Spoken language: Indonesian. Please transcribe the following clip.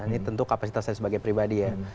ini tentu kapasitas saya sebagai pribadi ya